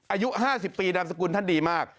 อายุ๕๐ปีนามสกุลท่านดีมาก